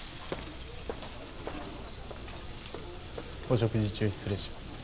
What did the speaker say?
お食事中失礼します。